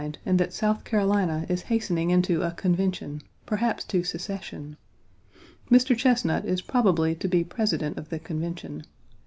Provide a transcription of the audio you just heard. Page 4 and that South Carolina is hastening into a Convention, perhaps to secession. Mr. Chesnut is probably to be President of the Convention.